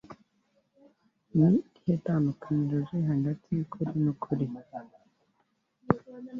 Ni irihe tandukaniro riri hagati yukuri nukuri?